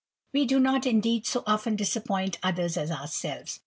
We do not indeed so often disappoint others as ourselves.